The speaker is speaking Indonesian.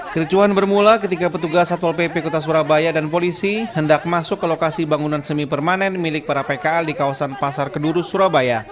kericuhan bermula ketika petugas satpol pp kota surabaya dan polisi hendak masuk ke lokasi bangunan semi permanen milik para pkl di kawasan pasar keduru surabaya